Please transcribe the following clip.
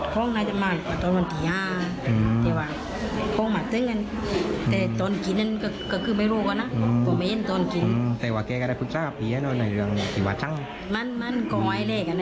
คล้องน่าจะสร้างมาน่าจะสร้างมาอาทิตย์ก่อนอืมอาทิตย์เต็มกันคล้องน่าจะมากกว่าตอนวันที่ห้า